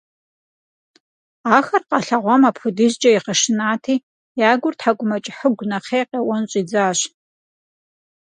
Ахэр къалъэгъуам апхэдизкӀэ игъэшынати, я гур тхьэкӀумэкӀыхьыгу нэхъей, къеуэн щӀидзащ.